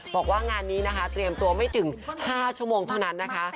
บอกว่างานนี้นะคะเตรียมตัวไม่ถึง๕ชั่วโมงเท่านั้นนะคะ